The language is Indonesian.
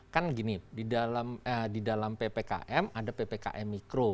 kan gini di dalam ppkm ada ppkm mikro